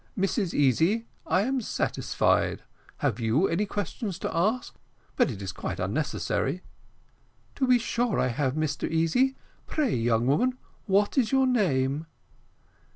Mrs Easy, I am satisfied. Have you any questions to ask? But it is quite unnecessary." "To be sure, I have, Mr Easy. Pray, young woman, what is your name?"